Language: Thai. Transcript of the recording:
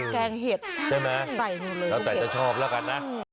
แกงเห็ดใช่ไหมแล้วแต่จะชอบแล้วกันนะ